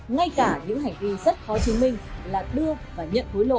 ngay cả những hành vi rất khó chứng minh là đưa và nhận hối lộ